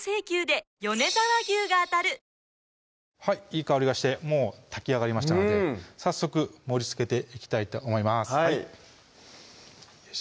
いい香りがしてもう炊き上がりましたので早速盛りつけていきたいと思います